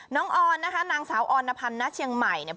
ออนนะคะนางสาวออนพันธ์ณเชียงใหม่เนี่ย